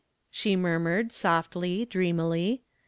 she murmured softly, dreamily.